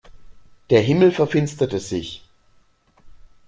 Der Himmel verfinsterte sich.